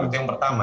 itu yang pertama